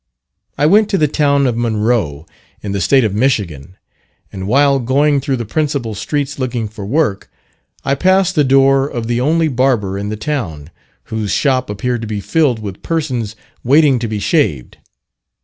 I went to the town of Monroe, in the state of Michigan, and while going through the principal streets looking for work, I passed the door of the only barber in the town, whose shop appeared to be filled with persons waiting to be shaved.